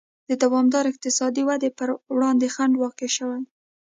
د دوامدارې اقتصادي ودې پر وړاندې خنډ واقع شوی.